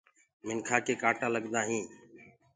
منکآ ڪي ڪآٽآ لگدآ هينٚ۔